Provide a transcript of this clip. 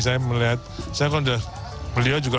saya melihat saya kalau sudah beliau juga